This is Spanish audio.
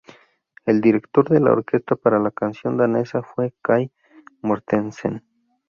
El director de la orquesta para la canción danesa fue Kai Mortensen.